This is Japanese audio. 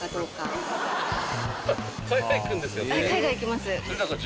海外行きます。